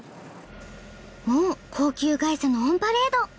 もう高級外車のオンパレード。